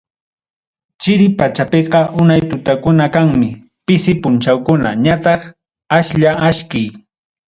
Chiri pachapiqa unay tutakuna kanmi, pisi punchawkuna ñataq aslla achkiy.